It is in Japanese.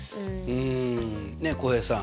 うんねえ浩平さん。